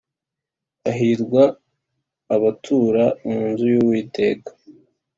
Hahirwa abatura mu nzu y’Uwiteka